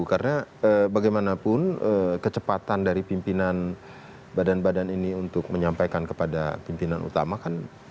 karena bagaimanapun kecepatan dari pimpinan badan badan ini untuk menyampaikan kepada pimpinan utama kan